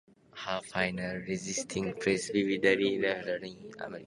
Her final resting place vividly reflects her dedication to American history.